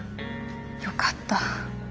よかった。